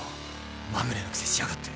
まぐれのくせしやがって。